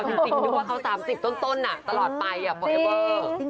จริงดูว่าเขา๓๐ต้นน่ะตลอดไปบ่อยเบอร์